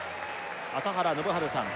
朝原宣治さん